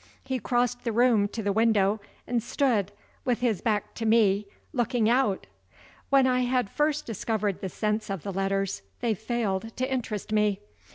He crossed the room to the window and stood (with his back to me) looking out. When I had first discovered the sense of the letters, they failed to interest me.